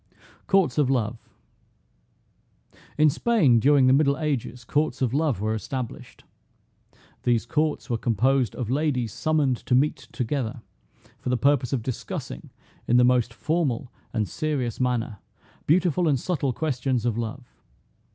COURTS OF LOVE. In Spain, during the Middle Ages, courts of Love were established. These courts were composed of ladies summoned to meet together, for the purpose of discussing, in the most formal and serious manner, "beautiful and subtle questions of love."